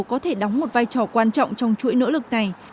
có thể đóng một vai trò quan trọng trong chuỗi nỗ lực này